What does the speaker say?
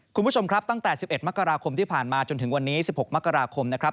คุณผู้ชมครับตั้งแต่๑๑มกราคมที่ผ่านมาจนถึงวันนี้๑๖มกราคมนะครับ